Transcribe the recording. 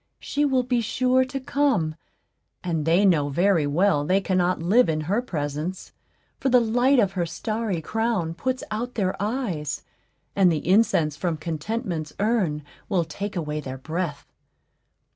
She will be sure to come; and they know very well they cannot live in her presence; for the light of her starry crown puts out their eyes, and the incense from Contentment's urn will take away their breath.